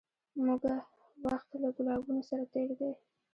موږه وخت له ګلابونو سره تېر دی